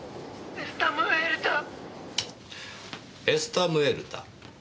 「エスタムエルタ」。